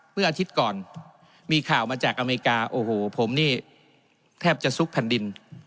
เมื่ออาทิตย์ก่อนมีข่าวมาจากอเมริกาโอ้โหผมนี่แทบจะซุกแผ่นดิน